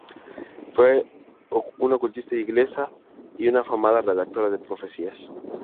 Fue una ocultista inglesa y una afamada redactora de profecías.